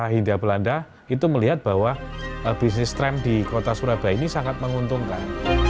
hindia belanda itu melihat bahwa bisnis tram di kota surabaya ini sangat menguntungkan